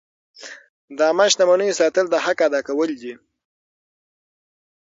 د عامه شتمنیو ساتل د حق ادا کول دي.